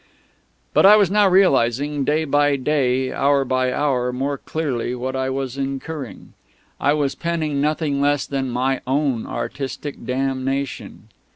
But I was now realising, day by day, hour by hour more clearly, what I was incurring. I was penning nothing less than my own artistic damnation.